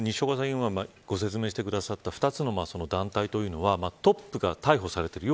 今ご説明してくださった２つの団体というのはトップが逮捕されている。